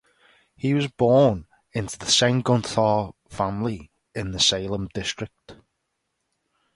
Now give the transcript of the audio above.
He was born into the Sengunthar family in the Salem district.